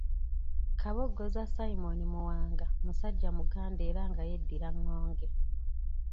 Kabogoza Simon Muwanga musajja Muganda era nga yeddira ŋŋonge.